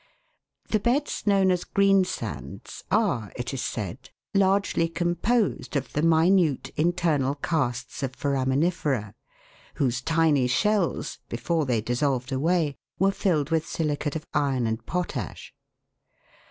The beds known as greensands are, it is said, largely composed of the minute internal casts of foraminifera (Fig. 28), whose tiny shells, before they dissolved away, were filled with silicate of iron and potash.